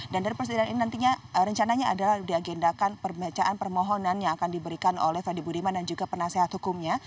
dan dari persidangan ini nantinya rencananya adalah diagendakan perbacaan permohonan yang akan diberikan oleh freddy budiman dan juga penasehat hukumnya